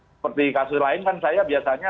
seperti kasus lain kan saya biasanya